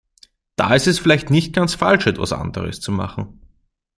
Da ist es vielleicht nicht ganz falsch, etwas Anderes zu machen.